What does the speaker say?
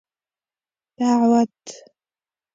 دعوت